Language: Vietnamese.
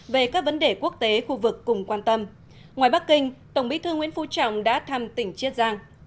về các vấn đề quốc tế khu vực cùng quan tâm ngoài bắc kinh tổng bí thư nguyễn phú trọng đã thăm tỉnh chiết giang